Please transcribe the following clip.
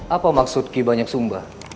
apa maksud ki banyak sumba